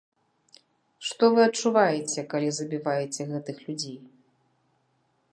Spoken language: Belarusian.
Што вы адчуваеце, калі забіваеце гэтых людзей?